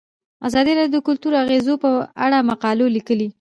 ازادي راډیو د کلتور د اغیزو په اړه مقالو لیکلي.